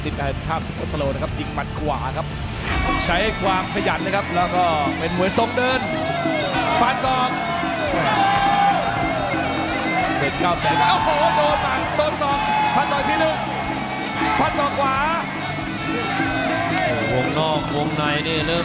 โปรกมือยุติการชกไปเลยครับโอ้ย